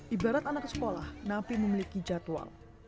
ibarat anak sekolah napi memiliki jadwal